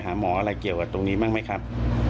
แล้วเราเคยมีปัญหากันมาก่อนไหมครับ